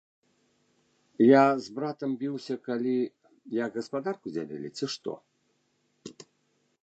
Я з братам біўся калі, як гаспадарку дзялілі, ці што?